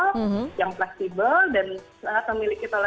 yang resah yang fleksibel dan memiliki toleransi yang tinggi dengan agama lain